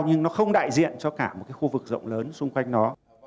nhưng nó không đại diện cho cả một cái khu vực rộng lớn xung quanh nó